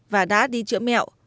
và đã đi chữa mẹo